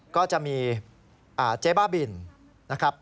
ก็จะมีเจ๊บ้าบินนะครับ